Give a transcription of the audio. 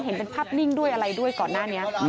เห็นเป็นภาพนิ่งด้วยอะไรด้วยก่อนหน้านี้